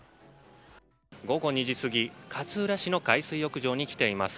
午後２時すぎ勝浦市の海水浴場に来ています。